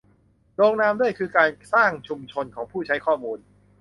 ลงนามด้วยคือการสร้างชุมชนของผู้ใช้ข้อมูล